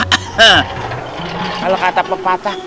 kalau kata pepatah